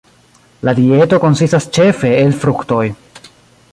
La dieto konsistas ĉefe el fruktoj.